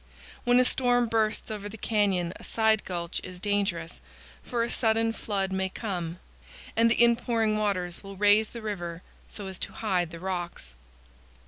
When a storm bursts over the canyon a side gulch is dangerous, for a sudden flood may come, and the inpouring waters will raise the river so as to hide the rocks.